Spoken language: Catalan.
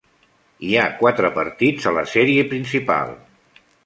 Hi ha quatre partits a la sèrie principal.